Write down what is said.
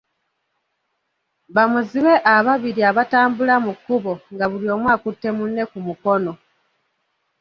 Bamuzibe ababiri abatambula mu kkubo nga buli omu akutte munne ku mukono.